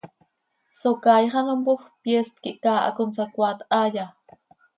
¿Socaaix ano mpoofp, pyeest quih caaha consacoaat haaya?